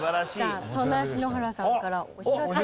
さあそんな篠原さんからお知らせが。